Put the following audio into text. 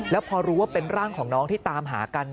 แล้วพอรู้ว่าเป็นร่างของน้องที่ตามหากัน